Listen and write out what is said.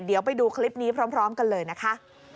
เดี๋ยวไปดูคลิปนี้พร้อมกันเลยนะคะ